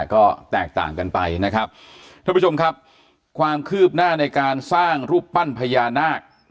ก็แตกต่างกันไปนะครับท่านผู้ชมครับความคืบหน้าในการสร้างรูปปั้นพญานาค